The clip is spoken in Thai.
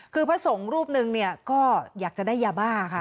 คือพระสงฆ์รูปหนึ่งเนี่ยก็อยากจะได้ยาบ้าค่ะ